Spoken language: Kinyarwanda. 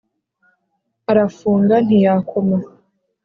Arafunga ntiyakoma